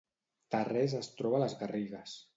Tarrés es troba a les Garrigues